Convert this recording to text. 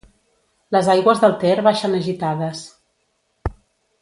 Les aigües del Ter baixen agitades.